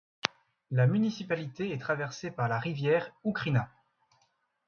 La municipalité est traversée par la rivière Ukrina.